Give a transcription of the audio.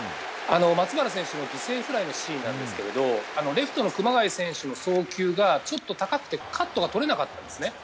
松原選手の犠牲フライのシーンなんですけどレフトの熊谷選手の送球が高くてカットがとれなかったんですね。